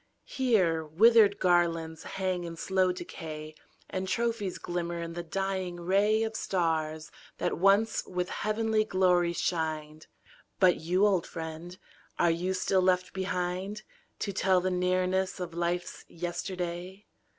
Here, withered garlands hang in slow decay. And trophies glimmer in the dying ray Of stars that once with heavenly glory shined. 280 THE FALLEN But you, old friend, are you still left behind To tell the nearness of life's yesterday?